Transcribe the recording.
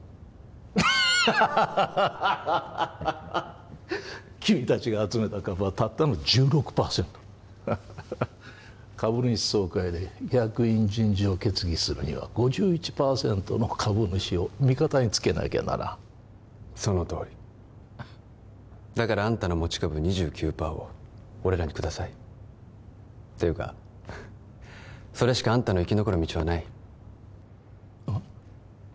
アハハハッ君達が集めた株はたったの１６％株主総会で役員人事を決議するには５１％の株主を味方につけなきゃならんそのとおりだからあんたの持ち株２９％を俺らにくださいていうかそれしかあんたの生き残る道はないああ？